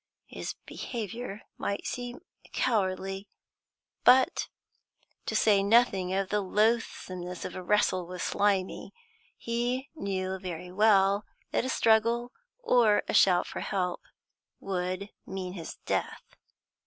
His behaviour might seem cowardly, but to say nothing of the loathsomeness of a wrestle with Slimy he knew very well that any struggle, or a shout for help, would mean his death.